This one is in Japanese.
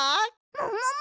ももも！